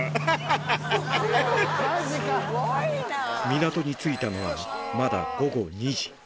港に着いたのは、まだ午後２時。